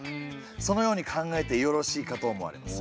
そのように考えてよろしいかと思われます。